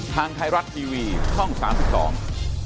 ทางไทยรัฐทีวีช่องสามสิบสอง